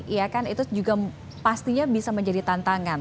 ya kan itu juga pastinya bisa menjadi tantangan